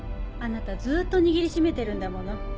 あなたずっと握りしめてるんだもの。